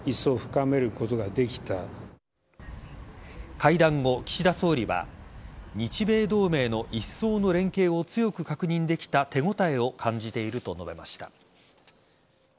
会談後、岸田総理は日米同盟のいっそうの連携を強く確認できた手応えを感じていると述べました。